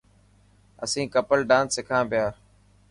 اسين ڪپل ڊانس سکان پيا